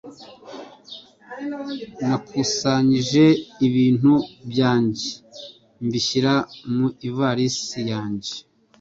Nakusanyije ibintu byanjye mbishyira mu ivarisi yanjye.